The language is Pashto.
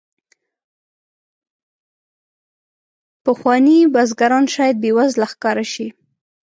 پخواني بزګران شاید بې وزله ښکاره شي.